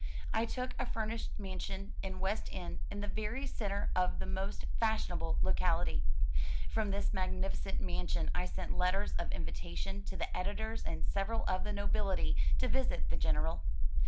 I took a furnished mansion in West End in the very centre of the most fashionable locality. From this magnificent mansion I sent letters of invitation to the editors and several of the nobility to visit the General.